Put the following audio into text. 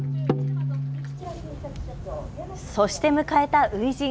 そして迎えた初陣。